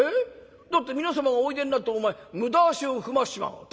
だって皆様がおいでになってお前無駄足を踏ましちまう」。